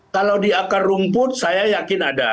kalau di akar rumput saya yakin ada